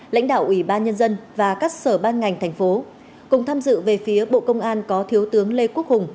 lãnh đạo ủy ban nhân dân và các sở ban ngành thành phố cùng tham dự về phía bộ công an có thiếu tướng lê quốc hùng